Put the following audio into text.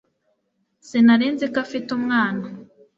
Sinari nzi ko afite umwana